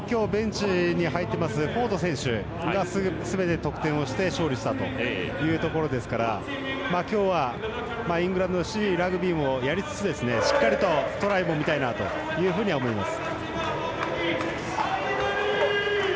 しかも今日ベンチに入っていますフォード選手がすべて得点をして勝利したというところですから今日は、イングランドらしいラグビーをやりつつしっかりとトライも見たいなと思います。